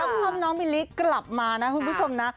เวลาความน้องมิลลิกกลับมานะคุณผู้ชมนะ